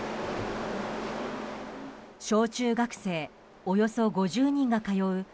小中学生およそ５０人が通う